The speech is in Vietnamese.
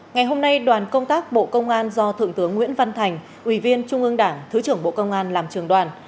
ngày hôm nay đoàn công tác bộ công an do thượng tướng nguyễn văn thành ủy viên trung ương đảng thứ trưởng bộ công an làm trường đoàn